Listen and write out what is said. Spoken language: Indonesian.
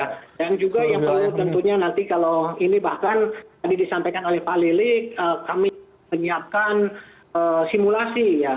dan juga yang perlu tentunya nanti kalau ini bahkan tadi disampaikan oleh pak lili kami menyiapkan simulasi ya